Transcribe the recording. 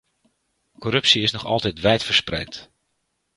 Corruptie is nog altijd wijd verspreid.